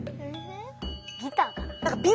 ギターかな？